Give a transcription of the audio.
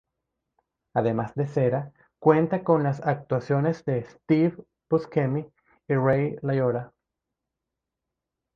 Además de Cera, cuenta con las actuaciones de Steve Buscemi y Ray Liotta.